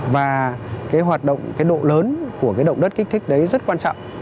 và cái hoạt động cái độ lớn của cái động đất kích thích đấy rất quan trọng